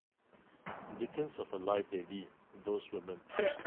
Dickens of a life they lead, those women.